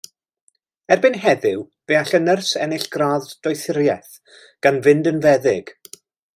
Erbyn heddiw, fe all y nyrs ennill gradd doethuriaeth, gan fynd yn feddyg.